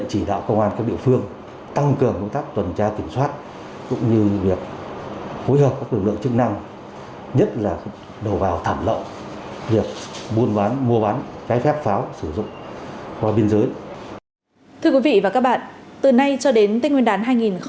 thưa quý vị và các bạn từ nay cho đến tết nguyên đán hai nghìn hai mươi